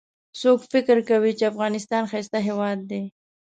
څوک فکر کوي چې افغانستان ښایسته هیواد ده